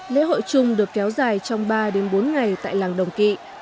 lễ hội chung được kéo dài trong ba bốn ngày tại làng đồng kỵ